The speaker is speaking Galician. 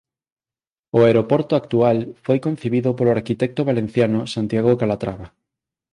O aeroporto actual foi concibido polo arquitecto valenciano Santiago Calatrava.